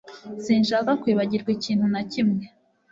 Sinshaka kwibagirwa ikintu na kimwe